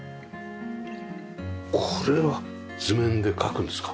これは図面で描くんですか？